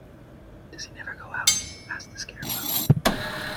"Does he never go out?" asked the Scarecrow.